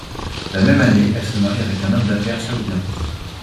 La même année, elle se marie avec un homme d'affaires saoudien.